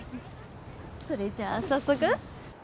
それじゃ早速。